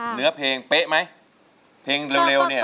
เหนือเพลงเป๊ะไหมเพลงเร็วเนี่ย